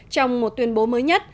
trong một tuyên bố mới nhất